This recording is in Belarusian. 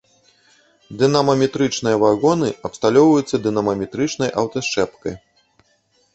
Дынамаметрычныя вагоны абсталёўваюцца дынамаметрычнай аўтасчэпкай.